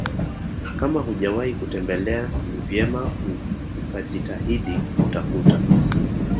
kama hujawahi kutembelea ni vyema ukajitahidi kutafuta